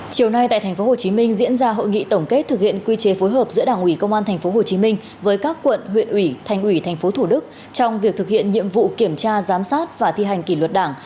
chiều nay tại tp hcm diễn ra hội nghị tổng kết thực hiện quy chế phối hợp giữa đảng ủy công an tp hcm với các quận huyện ủy thành ủy tp thủ đức trong việc thực hiện nhiệm vụ kiểm tra giám sát và thi hành kỷ luật đảng